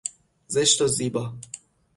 زشت و زیبا